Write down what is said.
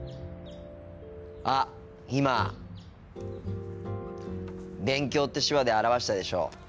あっ今「勉強」って手話で表したでしょ。